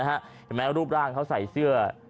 เห็นไหมรูปร่างเขาใส่เสื้อ